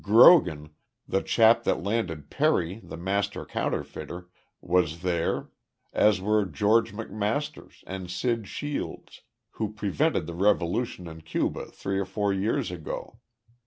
Grogan, the chap that landed Perry, the master counterfeiter, was there, as were George MacMasters and Sid Shields, who prevented the revolution in Cuba three or four years ago.